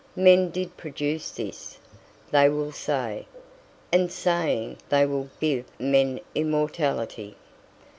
"Men did produce this," they will say, and, saying, they will give men immortality.